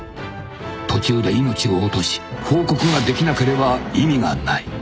［途中で命を落とし報告ができなければ意味がない］